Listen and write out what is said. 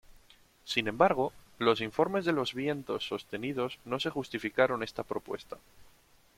Sin embargo, los informes de los vientos sostenidos no se justificaron esta propuesta.